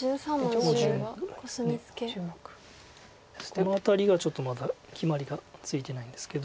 この辺りがちょっとまだ決まりがついてないんですけど。